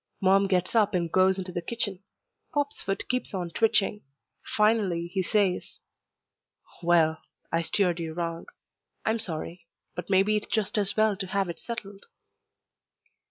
Mom gets up and goes into the kitchen. Pop's foot keeps on twitching. Finally he says, "Well, I steered you wrong. I'm sorry. But maybe it's just as well to have it settled."